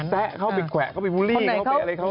แซะเขาไปแขวะเข้าไปบูลลี่เขาไปอะไรเขา